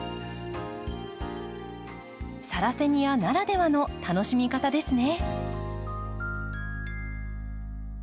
サラセニアならではの楽しみ方ですね。